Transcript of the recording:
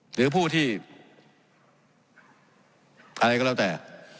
หรือผู้ที่อะไรก็แล้วแต่